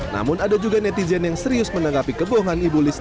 namun ada juga netizen yang serius menanggapi kebohongan ibu liz